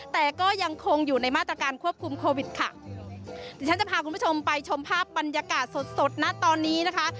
แต่ก็ยังคงอยู่ในมาตรการควบคุมโควิดค่ะเดี๋ยวฉันจะพาคุณผู้ชมไปชมภาพบรรยากาศสดสดนะตอนนี้นะคะ